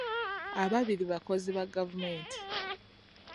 Ababiri bakozi ba gavumenti.